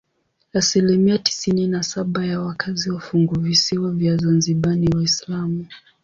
Asilimia tisini na saba ya wakazi wa funguvisiwa vya Zanzibar ni Waislamu.